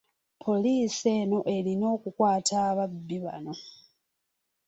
Poliisi eno erina okukwata ababbi bano.